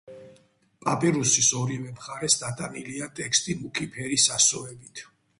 პაპირუსის ორივე მხარეს დატანილია ტექსტი მუქი ფერის ასოებით.